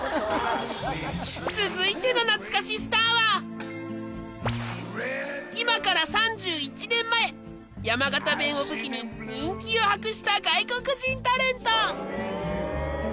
続いての懐かしスターは今から３１年前山形弁を武器に人気を博した外国人タレント